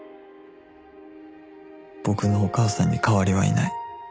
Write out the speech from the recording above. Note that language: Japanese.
僕のお母さんに代わりはいない